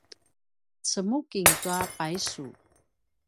cemuking tua paysu